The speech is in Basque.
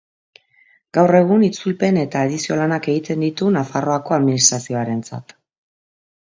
Gaur egun, itzulpen- eta edizio-lanak egiten ditu Nafarroako Administrazioarentzat.